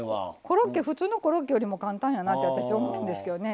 普通のコロッケよりも簡単やなって私思うんですけどね。